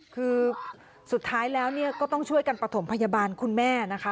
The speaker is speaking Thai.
คือสุดท้ายแล้วก็ต้องช่วยกันประถมพยาบาลคุณแม่นะคะ